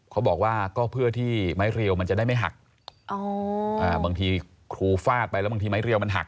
เขาบอกว่าก็เพื่อที่ไม้เรียวมันจะได้ไม่หักบางทีครูฟาดไปแล้วบางทีไม้เรียวมันหัก